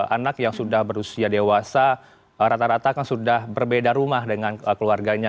anak yang sudah berusia dewasa rata rata kan sudah berbeda rumah dengan keluarganya